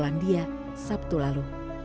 kepulangan dia sabtu lalu